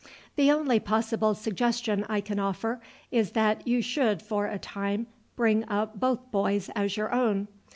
The only possible suggestion I can offer is that you should for a time bring up both boys as your own.